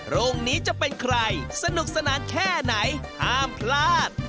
โรงนี้จะเป็นใครสนุกสนานแค่ไหนห้ามพลาด